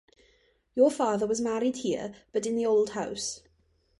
Your father was married here — but in the old house.